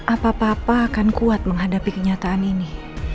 apa papa akan kuat menghadapi kenyataan ini